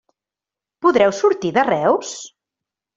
Podreu sortir de Reus?